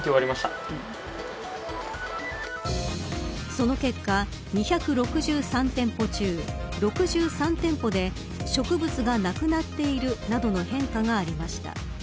その結果、２６３店舗中６３店舗で植物がなくなっているなどの変化がありました。